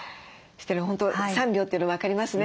本当３秒っていうの分かりますね。